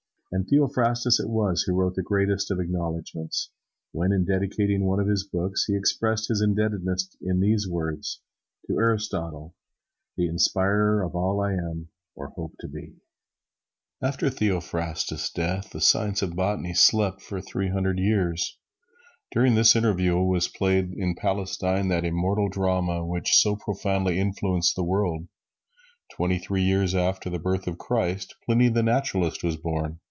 And Theophrastus it was who wrote that greatest of acknowledgments, when, in dedicating one of his books, he expressed his indebtedness in these words: "To Aristotle, the inspirer of all I am or hope to be." After Theophrastus' death the science of botany slept for three hundred years. During this interval was played in Palestine that immortal drama which so profoundly influenced the world. Twenty three years after the birth of Christ, Pliny, the Naturalist, was born.